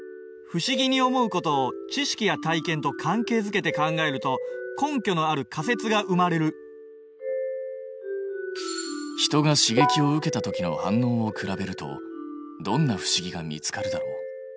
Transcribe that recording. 不思議に思うことを知識や体験と関係づけて考えると根拠のある仮説が生まれる人が刺激を受けたときの反応を比べるとどんな不思議が見つかるだろう。